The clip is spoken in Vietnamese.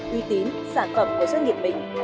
tuy tín sản phẩm của doanh nghiệp mình